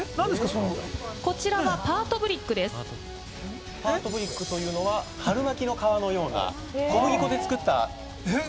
そのこちらはパートブリックですパートブリックというのは春巻きの皮のような小麦粉で作ったえっ